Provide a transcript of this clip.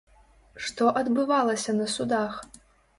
Што адбывалася на судах?